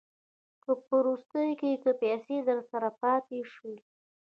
په وروستیو کې که پیسې درسره پاته شوې